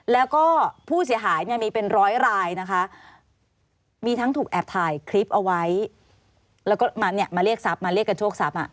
แล้วก็ผู้เสียหายเนี่ยมีเป็นร้อยรายนะคะมีทั้งถูกแอบถ่ายคลิปเอาไว้แล้วก็มาเนี่ยมาเรียกทรัพย์มาเรียกกันโชคทรัพย์